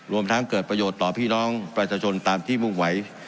รวมทั้งเกิดประโยชน์ต่อพี่น้องประชาชนตามที่มุ่งไหว